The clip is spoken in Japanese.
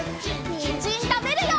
にんじんたべるよ！